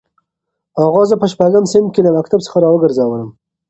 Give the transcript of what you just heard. اغا زه په شپږم صنف کې له مکتب څخه راوګرځولم.